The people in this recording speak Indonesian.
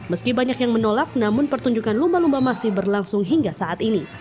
meski banyak yang menolak namun pertunjukan lumba lumba masih berlangsung hingga saat ini